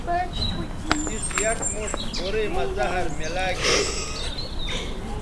تِس یک موݜ گورئ مہ زہر میلاگی